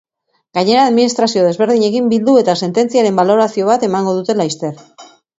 Gainera, administrazio desberdinekin bildu eta sententziaren balorazio bat emango dute laster.